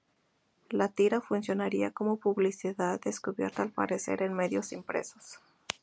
La tira funcionaría como publicidad encubierta al aparecer en medios impresos.